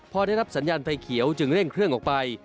พอได้รับสัญญาณไฟเขียวจึงเร่งเครื่องออกไป